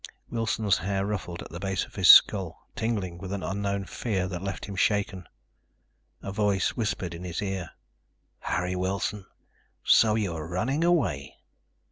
Wilson's hair ruffled at the base of his skull, tingling with an unknown fear that left him shaken. A voice whispered in his ear: "Harry Wilson. So you are running away!"